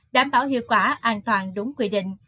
đảm bảo hiệu quả an toàn đúng quy định